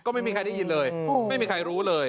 ก็ไม่มีใครได้ยินเลยไม่มีใครรู้เลย